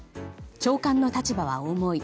長官の立場は重い。